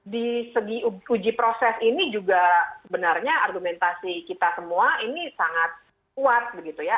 di segi uji proses ini juga sebenarnya argumentasi kita semua ini sangat kuat begitu ya